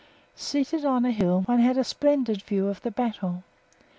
Seated on a hill one had a splendid view of the battle.